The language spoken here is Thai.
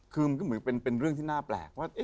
คือมันก็เหมือนเป็นเรื่องที่น่าแปลกว่า